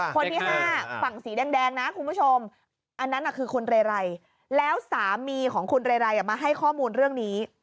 คนที่๕ฝั่งสีแดงนะคุณผู้ชมอันนั้นคือคุณเรไรแล้วสามีของคุณเรไรมาให้ข้อมูลเรื่องนี้